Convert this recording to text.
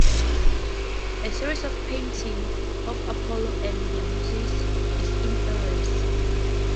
A series of paintings of "Apollo and the Muses" is in Arras.